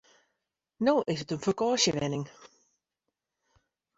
No is it in fakânsjewenning.